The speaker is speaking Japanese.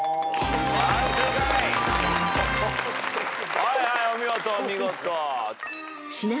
はいはいお見事お見事。